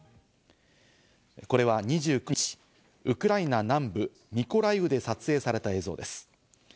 これは２９日、ウクライナ南部ミコライウで撮影された映像です。